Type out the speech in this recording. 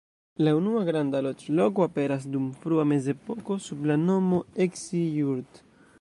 La unua granda loĝloko aperas dum frua mezepoko sub la nomo "Eski-Jurt".